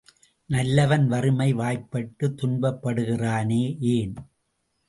நல்லவன் வறுமை வாய்ப்பட்டுத் துன்பப்படுகிறானே ஏன்!